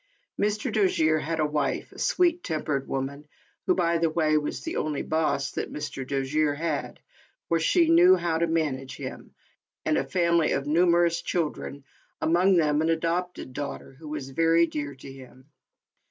Mr. Dojere had a wife, a sweet tempered wo man, who, by the way, was the only "boss" that Mr. Dojere had, for she knew how to manage him, and a family of numerous children, among them an adopted daughter, who was very dear to him.